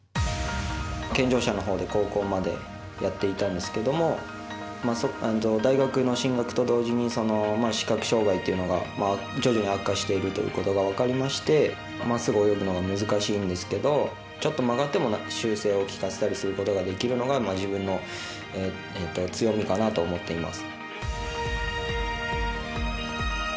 健常者のほうで高校までやっていたんですけども大学の進学と同時に視覚障がいというのが徐々に悪化しているということが分かりましてまっすぐ泳ぐのは難しいんですがちょっと曲がっても修正したりすることができるのが自分の強みかなと思っています。